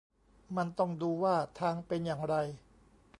มันต้องดูว่าทางเป็นอย่างไร